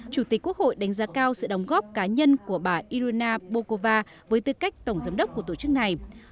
chủ tịch quốc hội đánh giá cao sự đóng góp cá nhân của bà irona bokova với tư cách tổng giám đốc của tổ chức này